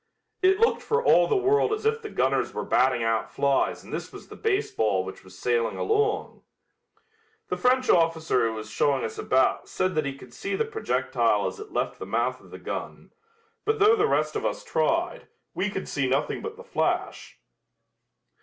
It looked for all the world as if the gunners were batting out flies and this was the baseball which was sailing along. The French officer who was showing us about said that he could see the projectile as it left the mouth of the gun, but though the rest of us tried, we could see nothing but the flash.